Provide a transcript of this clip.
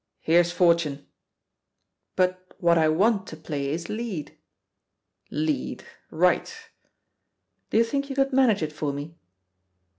"Here's fortune 1" "But what I want to play is lead." "Lead. Right!" Do you think you could manage it for me?